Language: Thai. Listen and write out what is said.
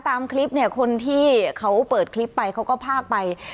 ตามคลิปคนที่เขาเปิดคลิปเขาก็พากไป